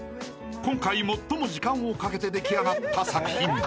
［今回最も時間をかけて出来上がった作品］